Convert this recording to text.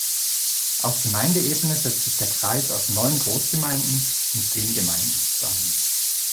Auf Gemeindeebene setzt sich der Kreis aus neun Großgemeinden und zehn Gemeinden zusammen.